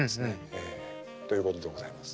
ええということでございます。